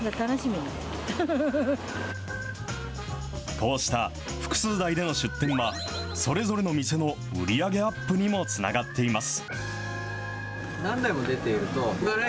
こうした複数台での出店は、それぞれの店の売り上げアップにもつながっています。